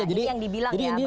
jadi yang dibilang ya